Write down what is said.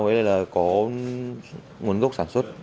với đây là có nguồn gốc sản xuất